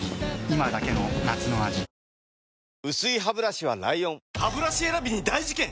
今だけの夏の味薄いハブラシは ＬＩＯＮハブラシ選びに大事件！